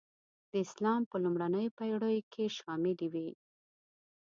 د اسلام په لومړنیو پېړیو کې شاملي وې.